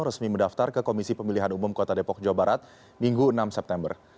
resmi mendaftar ke komisi pemilihan umum kota depok jawa barat minggu enam september